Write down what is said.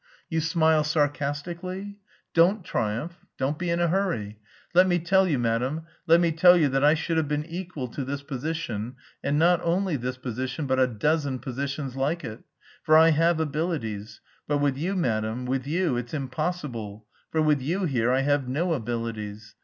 You smile sarcastically? Don't triumph, don't be in a hurry. Let me tell you, madam, let me tell you that I should have been equal to this position, and not only this position but a dozen positions like it, for I have abilities; but with you, madam, with you it's impossible, for with you here I have no abilities.